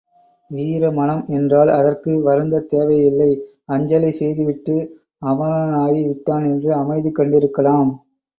வீரமணம் என்றால் அதற்கு வருந்தத் தேவையில்லை அஞ்சலி செய்து விட்டு அமரனாகி விட்டான் என்று அமைதி கண்டிருக்கலாம்.